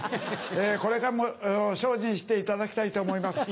これからも精進していただきたいと思います。